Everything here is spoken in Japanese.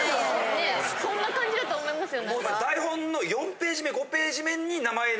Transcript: そんな感じだと思いますよ。